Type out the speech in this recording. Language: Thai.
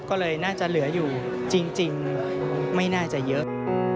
ก็เลยน่าจะเหลืออยู่จริงไม่น่าจะเยอะ